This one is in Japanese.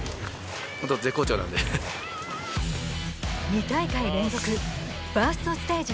２大会連続ファーストステージ